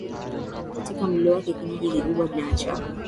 katika mlo wake Kijiji kikubwa na cha